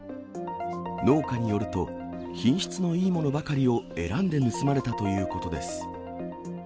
農家によると、品質のいいものばかりを選んで盗まれたということです。